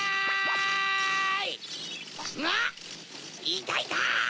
いたいた！